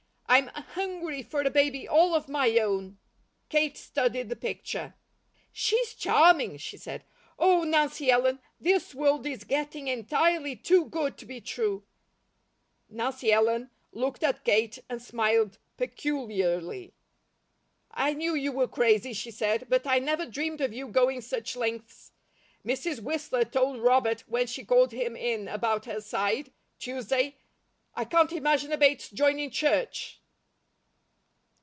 I'm hungry for a baby all of my own." Kate studied the picture. "She's charming!" she said. "Oh, Nancy Ellen, this world is getting entirely too good to be true." Nancy Ellen looked at Kate and smiled peculiarly. "I knew you were crazy," she said, "but I never dreamed of you going such lengths. Mrs. Whistler told Robert, when she called him in about her side, Tuesday. I can't imagine a Bates joining church."